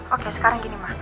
oke sekarang gini ma